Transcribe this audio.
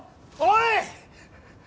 おい！